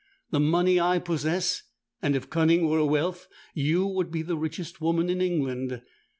The money I possess; and if cunning were wealth, you would be the richest woman in England.'